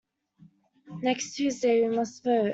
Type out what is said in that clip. Next Tuesday we must vote.